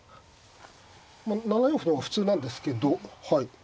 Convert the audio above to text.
７四歩の方が普通なんですけど。